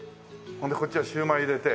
でこっちはシウマイ入れて。